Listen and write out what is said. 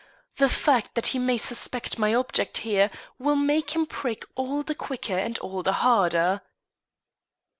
The fact that he may suspect my object here will make him prick all the quicker and all the harder."